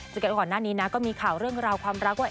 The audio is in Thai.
เจอกันก่อนหน้านี้นะก็มีข่าวเรื่องราวความรักว่า